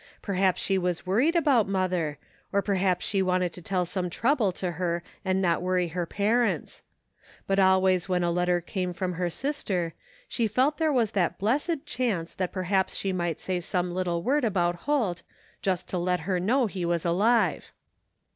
Perhaps she was worried about mother, or perhaps she wanted to tell some trouble to her and not worry their parents. But always when a letter came from her sister, she felt there was that blessed chance that perhaps she might say some little word about Holt, just to let her know he was 253 THE FINDING OF JASPER HOLT alive.